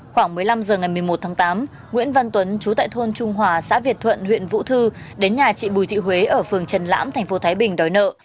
khoảng một mươi năm h ngày một mươi một tháng tám nguyễn văn tuấn chú tại thôn trung hòa xã việt thuận huyện vũ thư đến nhà chị bùi thị huế ở phường trần lãm tp thái bình đòi nợ